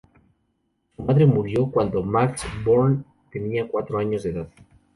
Su madre murió cuando Max Born tenía cuatro años de edad.